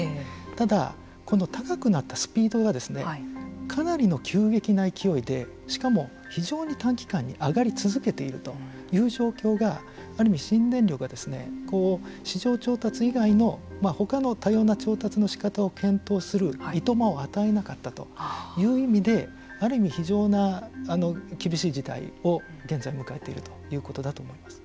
ただ、この高くなったスピードがかなりの急激な勢いでしかも、非常に短期間に上がり続けているという状況が新電力が市場調達以外のほかの多様な調達の仕方を検討するいとまを与えなかったという意味である意味、非常に厳しい事態を現在迎えているということだと思います。